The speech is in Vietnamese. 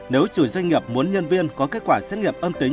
nếu chủ doanh nghiệp muốn nhân viên có kết quả xét nghiệm âm tính